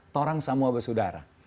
torang sama wabah saudara